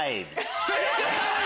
正解！